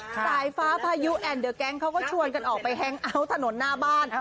สายฟ้าพายุแอนเดอร์แก๊งเขาก็ชวนกันออกไปแฮงเอาท์ถนนหน้าบ้าน